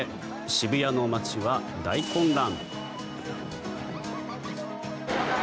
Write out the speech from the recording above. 渋谷の街は大混乱。